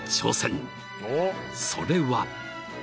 ［それは］